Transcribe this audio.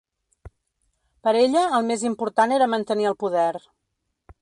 Per ella el més important era mantenir el poder.